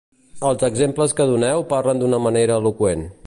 Els exemples que doneu parlen d'una manera eloqüent.